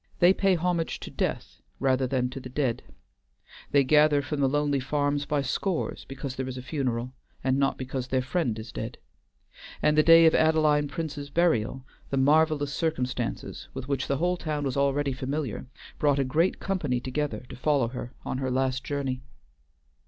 They pay homage to Death rather than to the dead; they gather from the lonely farms by scores because there is a funeral, and not because their friend is dead; and the day of Adeline Prince's burial, the marvelous circumstances, with which the whole town was already familiar, brought a great company together to follow her on her last journey.